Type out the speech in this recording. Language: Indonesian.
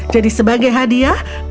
jadi sebagai hadiah